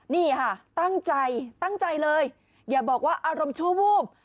นี่ค่ะตั้งใจตั้งใจเลยอย่าบอกว่าอารมณ์ชั่ววูบ